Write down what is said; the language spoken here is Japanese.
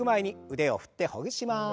腕を振ってほぐします。